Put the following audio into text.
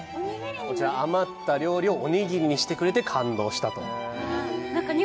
「こちら余った料理をおにぎりにしてくれて感動したと」